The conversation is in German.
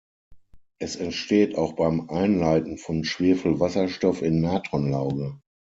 Es entsteht auch beim Einleiten von Schwefelwasserstoff in Natronlauge.